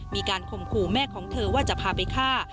มีการข่มขู่แม่ของเธอว่าจะพาไปฆ่า